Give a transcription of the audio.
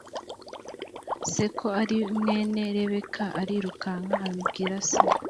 se ko ari mwene rebeka arirukanka abibwira se